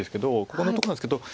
ここのとこなんですけど。